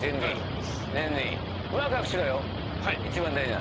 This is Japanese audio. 一番大事な。